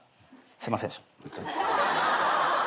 すいませんでした。